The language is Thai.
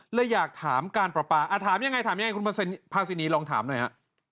เลยอยากถามการประปาถามยังไงถามยังไงคุณพาซินีลองถามหน่อยฮะ